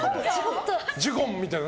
ジュゴンみたいな。